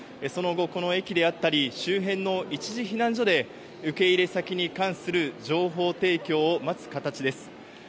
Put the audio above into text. その後、この駅であったり周辺の一時避難所で受け入れ先に関する情報提供を待つ形です。